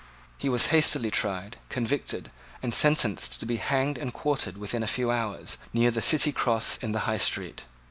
He was hastily tried, convicted, and sentenced to be hanged and quartered within a few hours, near the City Cross in the High Street.